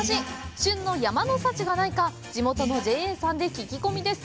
旬の山の幸がないか、地元のＪＡさんで聞き込みです。